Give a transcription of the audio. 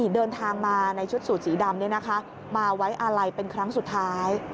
เดินทางมาในชุดสูตรสีดำมาไว้อาลัยเป็นครั้งสุดท้าย